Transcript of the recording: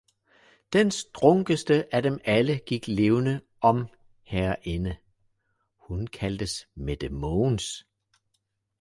den strunkeste af dem alle gik levende om herinde, hun kaldtes Mette Mogens.